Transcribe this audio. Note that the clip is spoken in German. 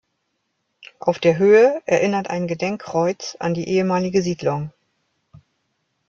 Auf der Höhe erinnert ein Gedenkkreuz an die ehemalige Siedlung.